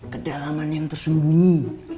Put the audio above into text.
kedalaman yang tersumbungi